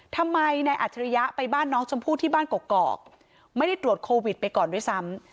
ทำไมนายอัจฉริยะไปบ้านน้องชมพู่ที่บ้านกอกไม่ได้ตรวจโควิดไปก่อนด้วยซ้ำ